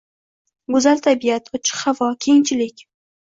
Goʻzal tabiat, ochiq havo, kengchilik